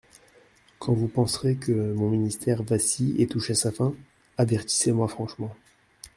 Quand vous penserez que mon ministère vacille et touche à sa fin, avertissez-moi franchement.